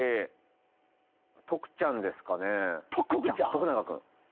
徳永君。